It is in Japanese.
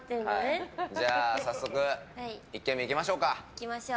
じゃあ、早速１軒目行きましょうか。